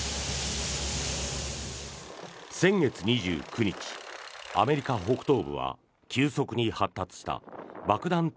先月２９日、アメリカ北東部は急速に発達した爆弾